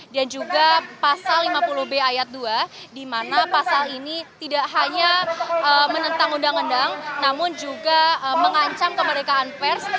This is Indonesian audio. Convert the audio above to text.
dan juga pasal lima puluh b ayat dua di mana pasal ini tidak hanya menentang undang undang namun juga mengancam kemerdekaan pers